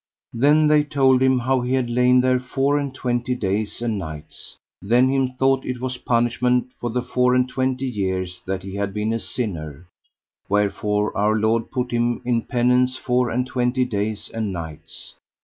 Then they told him how he had lain there four and twenty days and nights. Then him thought it was punishment for the four and twenty years that he had been a sinner, wherefore Our Lord put him in penance four and twenty days and nights.